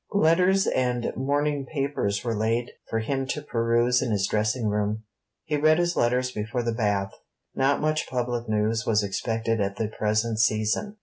Letters and morning papers were laid for him to peruse in his dressing room. He read his letters before the bath. Not much public news was expected at the present season.